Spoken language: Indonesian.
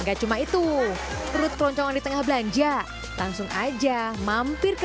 enggak cuma itu perut keroncongan di tengah belanja langsung aja mampir ke